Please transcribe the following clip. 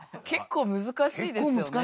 結構難しいですよね。